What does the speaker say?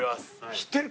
知ってる？